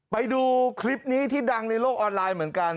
ไปดูคลิปนี้ที่ดังในโลกออนไลน์เหมือนกัน